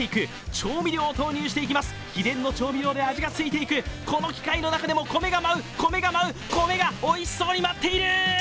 調味料を投入していきます、秘伝の調味料で味がついていくこの機械の中でも米が舞う、米が舞う、米がおいしそうに舞っている！